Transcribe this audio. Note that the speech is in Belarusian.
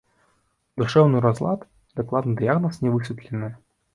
Душэўны разлад, дакладны дыягназ не высветлены.